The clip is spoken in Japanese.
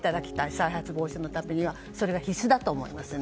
再発防止のためにはそれが必須だと思いますね。